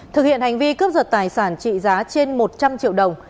thực hiện hành vi cướp giật tài sản trị giá trên một trăm linh triệu đồng